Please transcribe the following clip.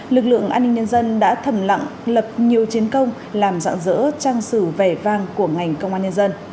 lực lượng an ninh nhân dân đã thầm lặng lập nhiều chiến công làm dạng dỡ trang sử vẻ vang của ngành công an nhân dân